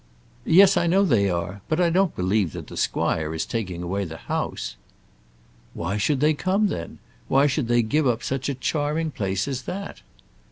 "Yes, I know they are. But I don't believe that the squire is taking away the house." "Why should they come then? Why should they give up such a charming place as that?"